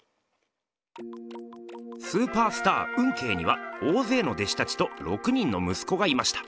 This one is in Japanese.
スーパースター運慶には大ぜいの弟子たちと６人の息子がいました。